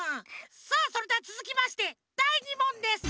さあそれではつづきましてだい２もんです。